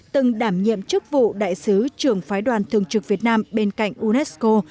từng đảm nhiệm chức vụ đại sứ trưởng phái đoàn thường trực việt nam bên cạnh unesco